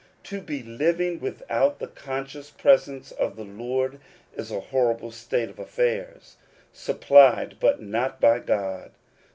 To be living without the conscious presence of the Lord is a horrible state of affairs. Supplied, but not by God